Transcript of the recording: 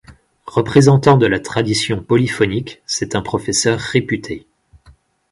Représentant de la tradition polyphonique, c'est un professeur réputé.